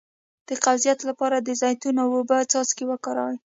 د قبضیت لپاره د زیتون او اوبو څاڅکي وکاروئ